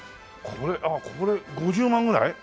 これ５０万ぐらい？